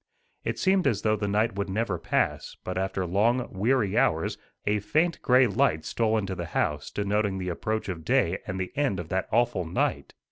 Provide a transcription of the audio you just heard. It seemed as though the night would never pass; but after long, weary hours, a faint gray light stole into the house, denoting the approach of day and the end of that awful night.